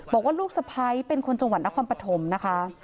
บอกว่าลูกสะพ้ายเป็นคนจังหวัดนครปฐมนะคะ